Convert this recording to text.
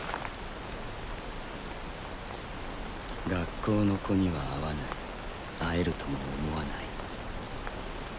学校の子には会わない会えるとも思わない。